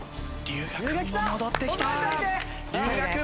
龍我君も戻ってきた。